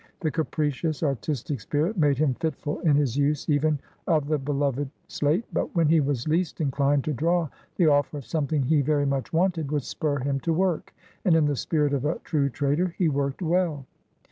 The capricious, artistic spirit made him fitful in his use even of the beloved slate; but, when he was least inclined to draw, the offer of something he very much wanted would spur him to work; and in the spirit of a true trader, he worked well.